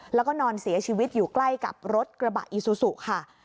แล้วก็นอนเสียชีวิตอยู่ใกล้กับรถกระบะอีซูซูค่ะ